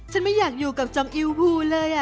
ไม่อยากอยู่กับจองอิลพูนเลย